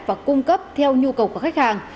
và cung cấp theo nhu cầu của khách hàng